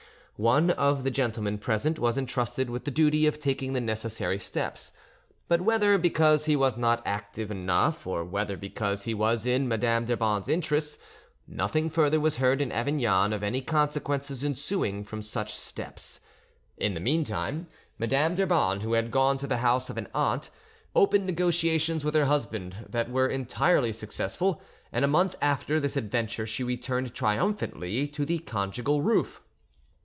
One of the gentlemen present was entrusted with the duty of taking the necessary steps; but whether because he was not active enough, or whether because he was in Madame d'Urban's interests, nothing further was heard in Avignon of any consequences ensuing from such steps. In the meantime, Madame d'Urban, who had gone to the house of an aunt, opened negotiations with her husband that were entirely successful, and a month after this adventure she returned triumphantly to the conjugal roof.